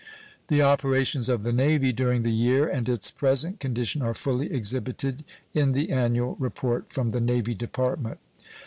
The operations of the Navy during the year and its present condition are fully exhibited in the annual report from the Navy Department.